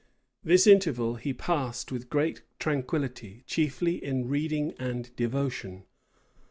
This interval he passed with great tranquillity, chiefly in reading and devotion.